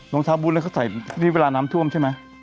นางเท้าบู๊ดเค้าใส่นี่เวลาน้ำท่วมใช่มั้ย